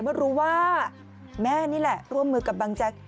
เมื่อรู้ว่าแม่นี่แหละร่วมมือกับบังแจ๊ก